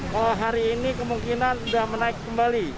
kalau hari ini kemungkinan sudah menaik kembali